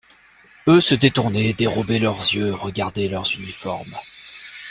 Eux se détournaient, dérobaient leurs yeux, regardaient leurs uniformes.